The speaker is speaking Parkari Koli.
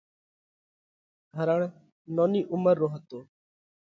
هرڻ نونِي عُمر رو هتو۔